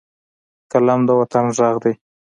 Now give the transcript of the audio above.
قلم د وطن غږ دی